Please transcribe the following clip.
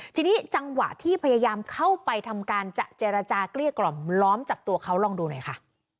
ทีนี้จังหวะที่พยายามเข้าไปทำการจะเจรจาเกลี้ยกล่อมล้อมจับตัวเขาลองดูหน่อยค่ะ